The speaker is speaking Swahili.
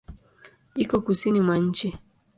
Iko kusini mwa nchi.